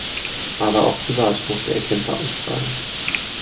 Aber auch privat musste er Kämpfe austragen.